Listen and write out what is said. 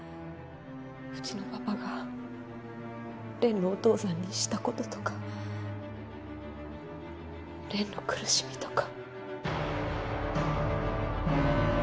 うちのパパがのお父さんにした事とかの苦しみとか。